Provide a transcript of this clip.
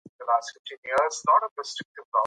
که باران وشي نو د کرکټ لوبه په میدان کې نشي ترسره کیدی.